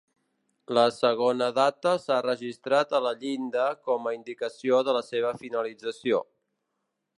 La segona data s'ha registrat a la llinda com a indicació de la seva finalització.